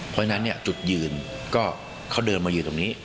เพราะฉะนั้นจุดยืนก็เขาเดินมายืนตรงนี้